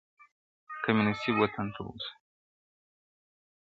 که مي نصیب وطن ته وسو,